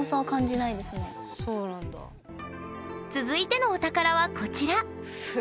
続いてのお宝はこちら。